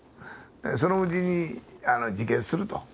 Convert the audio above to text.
そのうちに自決すると。